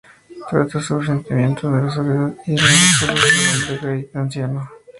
Trata sobre los sentimientos de soledad y los recuerdos de un hombre gay anciano.